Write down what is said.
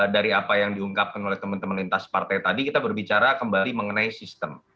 dari apa yang diungkapkan oleh teman teman lintas partai tadi kita berbicara kembali mengenai sistem